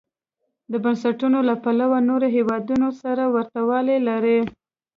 د بنسټونو له پلوه نورو هېوادونو سره ورته والی لري.